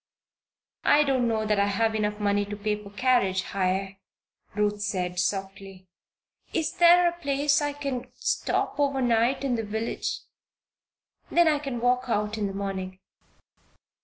"I don't know that I have enough to pay for carriage hire," Ruth said, softly. "Is is there any place I can stop over night in the village? Then I can walk out in the morning."